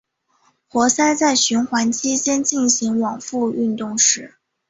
活塞在循环期间进行往复运动时。